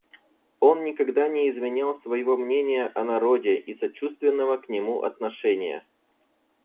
Он никогда не изменял своего мнения о народе и сочувственного к нему отношения.